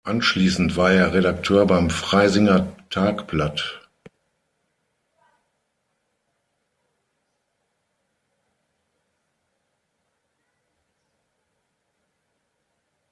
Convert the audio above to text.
Anschließend war er Redakteur beim "Freisinger Tagblatt".